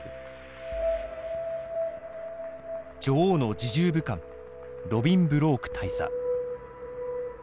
女王の侍従武官ロビン・ブローク大佐。